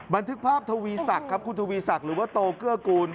บันทึกภาพทวีศักดิ์ครับคุณทวีศักดิ์หรือว่าโตเกื้อกูล